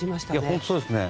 本当にそうですね。